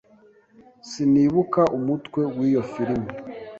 Sinibuka umutwe w'iyo firime.